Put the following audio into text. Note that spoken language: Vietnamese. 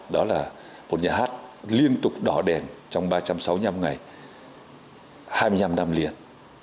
đó là một nhà hát liên tục đỏ đèn trong ba trăm sáu mươi năm ngày hai mươi năm năm liền